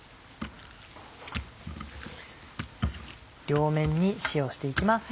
両面に塩をして行きます。